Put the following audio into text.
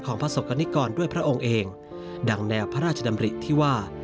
ประสบกรณิกรด้วยพระองค์เองดังแนวพระราชดำริที่ว่า